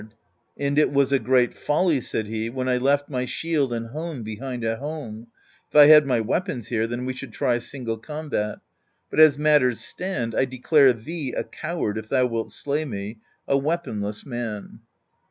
'And it was a great folly,' said he, 'when I left my shield and hone behind at home; if I had my weapons here, then we should try single combat. But as matters stand, I declare thee a coward if thou wilt slay me, a weaponless man.'